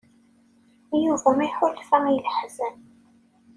Yuba iḥulfa i leḥzen.